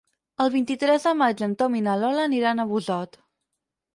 El vint-i-tres de maig en Tom i na Lola aniran a Busot.